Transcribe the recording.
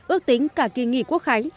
ước tính cả kỳ nghỉ quốc khánh